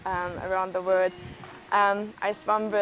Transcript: sebuah bagian favorit saya tentang menjadi mermaid